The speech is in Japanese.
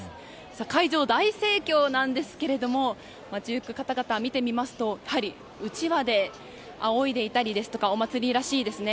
会場は大盛況なんですが街行く方々を見てみますとやはりうちわであおいでいたりですとかお祭りらしいですね。